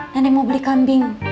neneng mau beli kambing